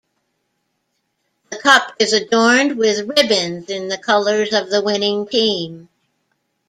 The cup is adorned with ribbons in the colours of the winning team.